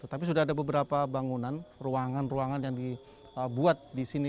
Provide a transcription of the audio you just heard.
tetapi sudah ada beberapa bangunan ruangan ruangan yang dibuat di sini